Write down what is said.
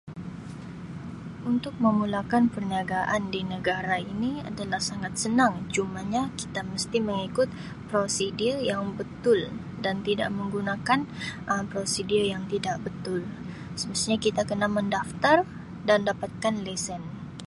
"Untuk memulakan perniagaan di negara ini adalah sangat senang cumanya kita mesti mengikut ""procedure"" yang betul dan tidak menggunakan Um ""procedure"" yang tidak betul semestinya kita kena mendaftar dan dapatkan lesen."